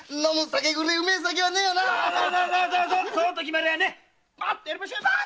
そうと決まりゃパーッとやりましょ！